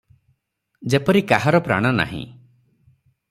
ଯେପରି କାହାର ପ୍ରାଣ ନାହିଁ ।